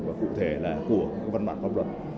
và cụ thể là của văn bản pháp luật